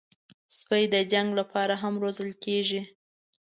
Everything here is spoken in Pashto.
سپي د جنګ لپاره هم روزل کېږي.